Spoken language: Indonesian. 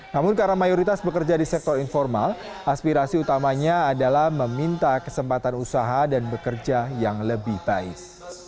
namun karena mayoritas bekerja di sektor informal aspirasi utamanya adalah meminta kesempatan usaha dan bekerja yang lebih baik